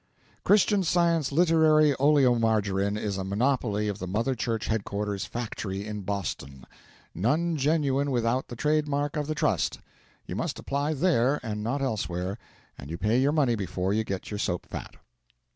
Christian Science literary oleomargarine is a monopoly of the Mother Church Headquarters Factory in Boston; none genuine without the trade mark of the Trust. You must apply there, and not elsewhere; and you pay your money before you get your soap fat.